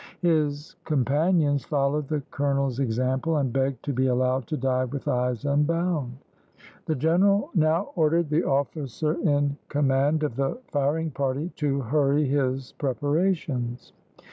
His companions followed the colonel's example, and begged to be allowed to die with eyes unbound. The general now ordered the officer in command of the firing party to hurry his preparations.